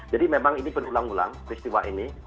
jadi memang ini berulang ulang peristiwa ini